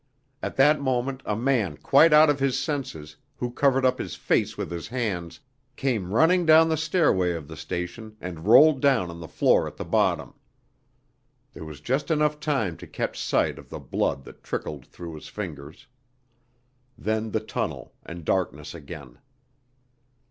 At that moment a man quite out of his senses, who covered up his face with his hands, came running down the stairway of the station and rolled down on the floor at the bottom. There was just enough time to catch sight of the blood that trickled through his fingers.... Then the tunnel and darkness again.